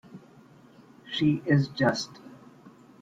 She is just.